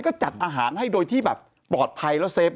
ก็จัดอาหารให้โดยที่แบบปลอดภัยแล้วเฟฟ